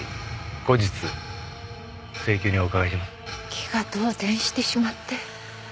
気が動転してしまって。